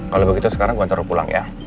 kalau begitu sekarang gue taruh pulang ya